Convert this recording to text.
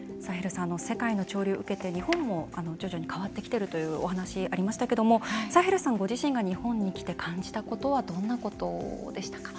世界の潮流を受けて日本も徐々に変わってきてるというお話ありましたけどもサヘルさんご自身が日本に来て感じたことはどんなことでしたか。